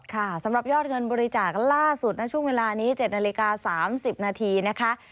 สำหรับยอดเงินบริจาคล่าสุดณช่วงเวลานี้๗นาฬิกา๓๐นาทีนะคะ